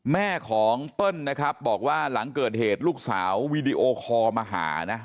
แม่ของเปิ้ลนะครับบอกว่าหลังเกิดเหตุลูกสาววีดีโอคอลมาหานะ